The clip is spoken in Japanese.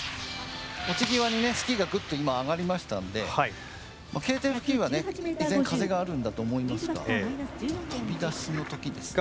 落ち際にね、スキーがグッと今、上がりましたんでＫ点付近は依然風があるんだと思いますが飛び出しの時ですね。